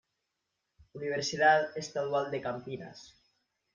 Universidad Estadual de Campinas.